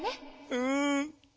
うん。